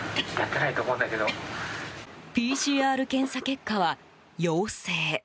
ＰＣＲ検査結果は陽性。